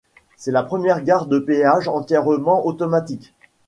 C'est la première gare de péage entièrement automatique.